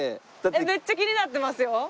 めっちゃ気になってますよ。